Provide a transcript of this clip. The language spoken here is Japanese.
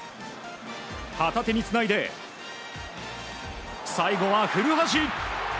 旗手につないで最後は古橋！